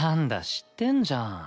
知ってんじゃん。